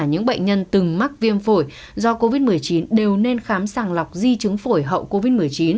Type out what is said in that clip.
những bệnh nhân từng mắc viêm phổi do covid một mươi chín đều nên khám sàng lọc di chứng phổi hậu covid một mươi chín